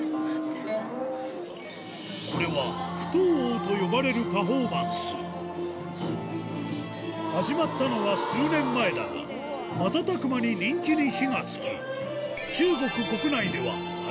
これは「不倒翁」と呼ばれるパフォーマンス始まったのは数年前だが瞬く間に人気に火が付き